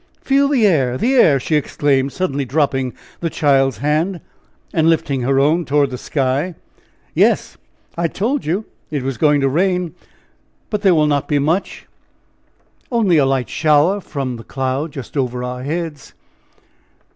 "Feel! the air! the air!" she exclaimed, suddenly dropping the child's hand, and lifting her own toward the sky. "Yes, I told you it was going to rain, but there will not be much, only a light shower from the cloud just over our heads."